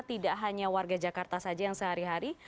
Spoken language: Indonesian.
tidak hanya warga jakarta saja yang sehari hari